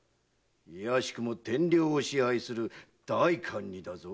いやしくも天領を支配する代官にだぞ。